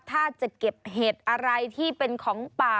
ถ้าจะเก็บเห็ดอะไรที่เป็นของป่า